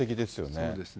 そうですね。